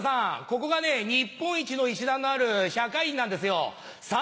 ここが日本一の石段のある釈院なんですよ。